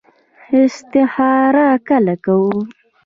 استخاره کله کوو؟